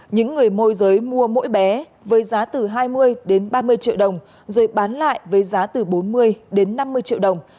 những người môi giới mua mỗi bé với giá từ hai mươi đến ba mươi triệu đồng rồi bán lại với giá từ bốn mươi đến năm mươi triệu đồng